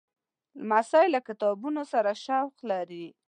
لمسی له کتابونو سره شوق لري.